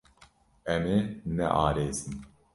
Em ê nearêsin.